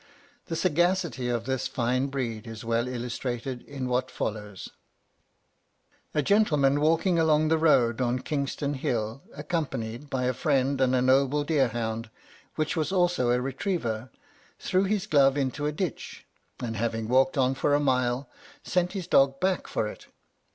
The sagacity of this fine breed is well illustrated in what follows: A gentleman walking along the road on Kingston Hill, accompanied by a friend and a noble deer hound, which was also a retriever, threw his glove into a ditch; and having walked on for a mile, sent his dog back for it.